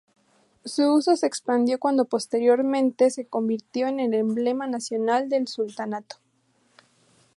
Su uso se expandió cuando posteriormente se convirtió en el emblema nacional del sultanato.